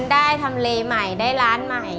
งานทอมเมลว์ใหม่ได้ร้านใหม่